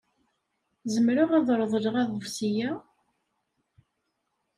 Zemreɣ ad reḍleɣ aḍebsi-a?